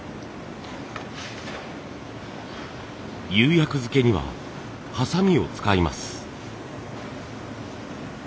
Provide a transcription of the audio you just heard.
釉薬づけにはハサミを使います。